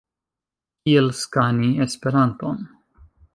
Kiel skani Esperanton?